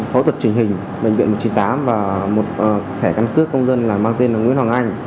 phẫu thuật trình hình bệnh viện một trăm chín mươi tám và một thẻ căn cước công dân là mang tên là nguyễn hoàng anh